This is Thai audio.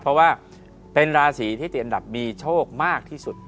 เพราะว่าเป็นราศีที่ติดอันดับมีโชคมากที่สุด